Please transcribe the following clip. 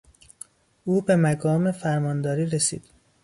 او به مقام فرمانداری رسید.